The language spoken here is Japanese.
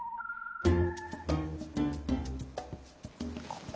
ここ？